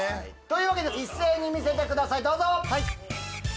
というわけで一斉に見せてくださいどうぞ！